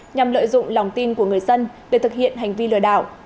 nhằm lợi dụng lòng tin của người dân để thực hiện hành vi lừa đảo